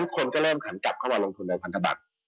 คนก็เริ่มหันกลับเข้ามาลงทุนในพันธบัตร